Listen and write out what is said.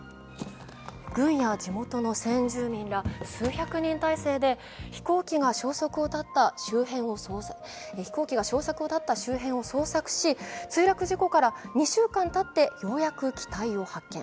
軍や地元の先住民ら数百人態勢で飛行機が消息を絶った周辺を捜索し、墜落事故から２週間たって、ようやく機体を発見。